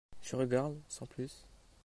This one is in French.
Je regarde, sans plus.